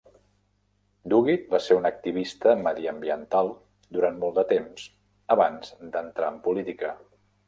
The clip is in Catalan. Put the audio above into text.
Duguid va ser un activista mediambiental durant molt de temps abans d'entrar en política.